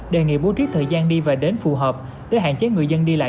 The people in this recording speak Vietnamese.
đề nghị bố trí thời gian đi và đến phù hợp để hạn chế người dân đi lại